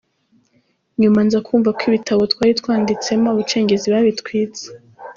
Nyuma nza kumva ko ibitabo twari twanditsemo abacengezi babitwitse.